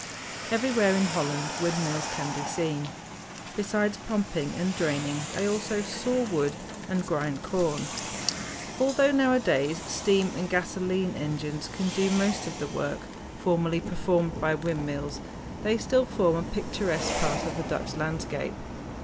Everywhere in Holland windmills can be seen. Besides pumping and draining, they also saw wood and grind corn. Although nowadays steam and gasolene engines can do most of the work formerly performed by windmills, they still form a picturesque part of the Dutch landscape.